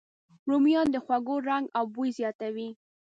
رومیان د خوړو رنګ او بوی زیاتوي